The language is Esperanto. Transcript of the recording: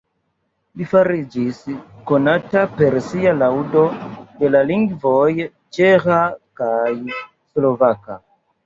Li fariĝis konata per sia laŭdo de la lingvoj ĉeĥa kaj slovaka.